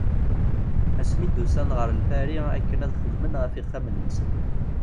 Asmi i d-ussan ɣer Lpari akken ad xedmen ɣef yixxamen-nsen.